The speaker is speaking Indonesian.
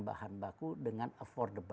bahan baku dengan affordable